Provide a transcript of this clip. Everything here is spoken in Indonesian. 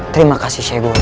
terima kasih syekh guru